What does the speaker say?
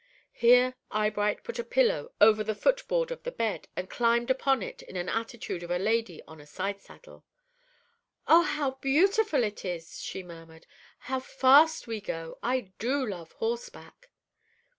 Here Eyebright put a pillow over the foot board of the bed, and climbed upon it, in the attitude of a lady on a side saddle. "Oh, how beautiful it is!" she murmured. "How fast we go! I do love horseback."